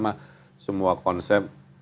mah semua konsep